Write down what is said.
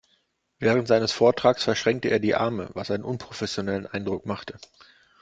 Während seines Vortrages verschränkte er die Arme, was einen unprofessionellen Eindruck machte.